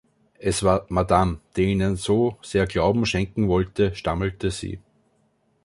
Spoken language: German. „Es war Madame, die Ihnen so sehr Glauben schenken wollte,“ stammelte sie.